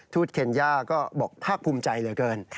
ทูตเคเนียก็บอกภาคภูมิใจเหลือเกิน